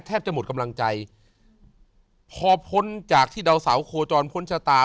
จะหมดกำลังใจพอพ้นจากที่ดาวเสาโคจรพ้นชะตา